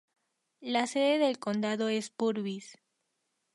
La sede del condado es Purvis.